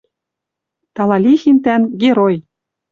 «Талалихин тӓнг — герой».